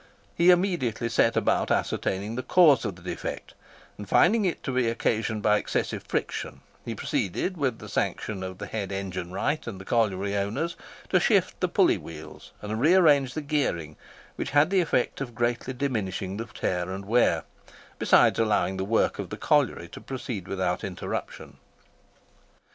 He immediately set about ascertaining the cause of the defect; and finding it to be occasioned by excessive friction, he proceeded, with the sanction of the head engine wright and the colliery owners, to shift the pulley wheels and re arrange the gearing, which had the effect of greatly diminishing the tear and wear, besides allowing the work of the colliery to proceed without interruption.